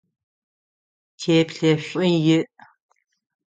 Теплъэшӏу иӏ.